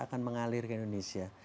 akan mengalir ke indonesia